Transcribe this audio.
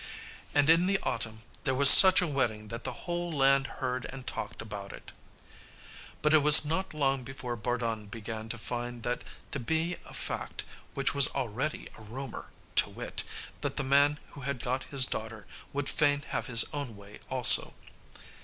And in the autumn there was such a wedding that the whole land heard and talked about it. But it was not long before Bardun began to find that to be a fact which was already a rumour, to wit, that the man who had got his daughter would fain have his own way also.